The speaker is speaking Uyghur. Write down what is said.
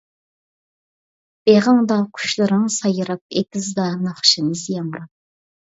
بېغىڭدا قۇشلىرىڭ سايراپ، ئېتىزدا ناخشىمىز ياڭراپ.